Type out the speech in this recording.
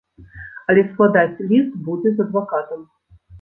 Але складаць ліст будзе з адвакатам.